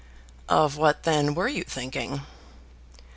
"Of what then were you thinking?"